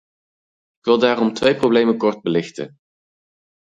Ik wil daarom twee problemen kort belichten.